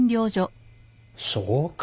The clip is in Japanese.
そうか。